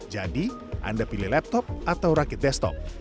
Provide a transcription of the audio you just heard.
jadi anda pilih laptop atau rakit desktop